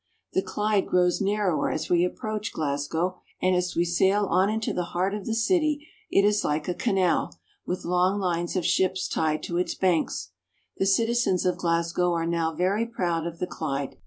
The Clyde grows narrower as we approach Glasgow, and as we sail on into the heart of the city it is like a canal, with long lines of ships tied to its banks. The citizens of Glasgow are now very proud of the Clyde.